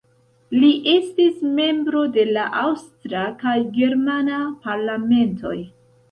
Li estis membro de la aŭstra kaj germana parlamentoj.